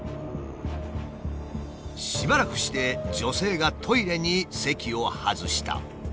しばらくして女性がトイレに席を外した。